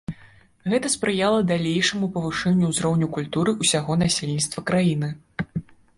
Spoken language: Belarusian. Гэта спрыяла далейшаму павышэнню ўзроўню культуры ўсяго насельніцтва краіны.